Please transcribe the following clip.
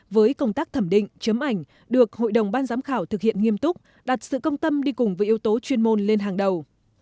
với công tác thẩm định chấm ảnh được hội đồng ban giám khảo thực hiện nghiêm túc đặt sự công tâm đi cùng với yếu tố chuyên môn lên hàng đầu